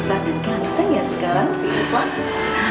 sudah bisa dan ganteng ya sekarang sih